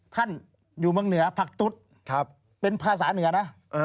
ท่านอยู่เมืองเหนือผักตุ๊ดเป็นภาษาเหนือนะ